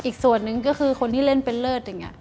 อีกส่วนนึงก็คือคนที่เล่นเป็นเลิศ